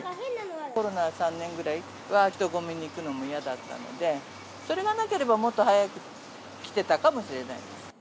コロナ３年くらいは人ごみに行くのも嫌だったので、それがなければ、もっと早く来てたかもしれないです。